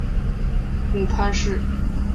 母潘氏。